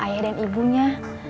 ayah dan ibunya